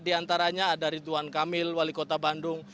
di antaranya ada ridwan kamil wali kota bandung